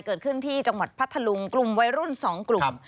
เกิดขึ้นที่จังหวัดพัทธลุงกลุ่มวัยรุ่น๒กลุ่ม